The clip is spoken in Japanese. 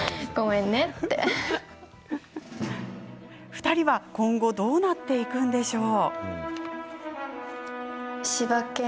２人は、今後どうなっていくのでしょう？